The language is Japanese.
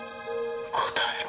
答えろ。